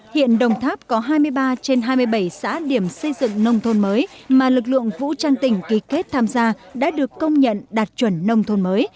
hiện đồng tháp có hai mươi ba trên hai mươi bảy xã điểm xây dựng nông thôn mới mà lực lượng vũ trang tỉnh ký kết tham gia đã được công nhận đạt chuẩn nông thôn mới